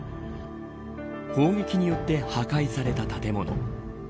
砲撃によって破壊された建物。